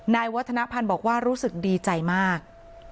วัฒนภัณฑ์บอกว่ารู้สึกดีใจมาก